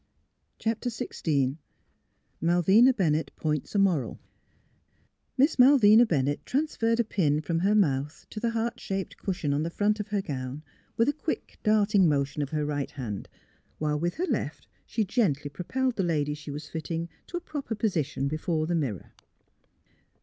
CHAPTER XVI MALVINA BENNETT POINTS A MORAL Miss MAL\^JsrA Bennett transferred a pin from her mouth to the heart shaped cushion on the front of her gown with a quick, darting motion of her right hand, while with her left she gently pro pelled the lady she was fitting to a proper position before the mirror.